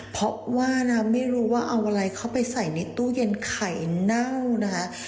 เพราะว่านะไม่รู้ว่าเอาอะไรเข้าไปใส่ในตู้เย็นไข่เน่านะคะ